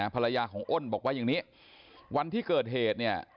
ภรรยาของอ้นบอกว่าอย่างนี้วันที่เกิดเหตุเนี่ย